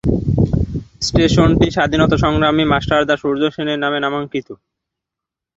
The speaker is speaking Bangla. স্টেশনটি স্বাধীনতা সংগ্রামী মাস্টারদা সূর্য সেনের নামে নামাঙ্কিত।